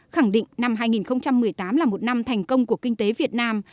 khẳng định năm hai nghìn một mươi tám là một năm thành công của kinh tế việt nam